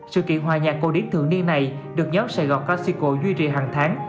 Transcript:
sự kiện hòa nhạc cô điếc thượng niên này được nhóm sài gòn classico duy trì hàng tháng